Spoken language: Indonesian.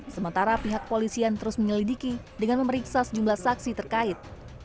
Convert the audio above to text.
sementara pihak polisian terus menyelidiki dengan memeriksa sejumlah saksi terkait